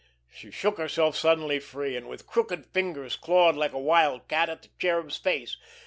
She shook herself suddenly free, and with crooked fingers clawed like a wild cat at the Cherub's face.